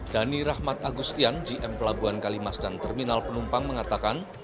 dhani rahmat agustian gm pelabuhan kalimas dan terminal penumpang mengatakan